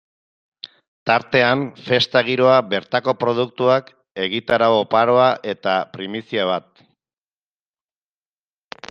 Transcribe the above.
Tartean, festa giroa, bertako produktuak, egitarau oparoa eta primizia bat.